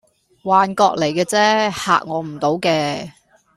幻覺嚟架啫，嚇我唔倒嘅